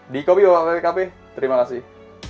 dikopi bapak pkp terima kasih